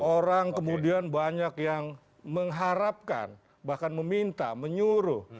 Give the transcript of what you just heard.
orang kemudian banyak yang mengharapkan bahkan meminta menyuruh